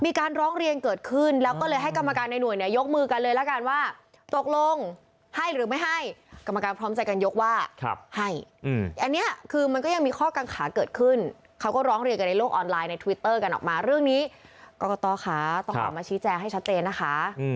มีการร้องเรียนเกิดขึ้นแล้วก็เลยให้กรรมการในหน่วยเนี่ยยกมือกันเลยละกันว่าตกลงให้หรือไม่ให้กรรมการพร้อมใจกันยกว่าให้อันนี้คือมันก็ยังมีข้อกังขาเกิดขึ้นเขาก็ร้องเรียนกันในโลกออนไลน์ในทวิตเตอร์กันออกมาเรื่องนี้กรกตค่ะต้องออกมาชี้แจงให้ชัดเจนนะคะ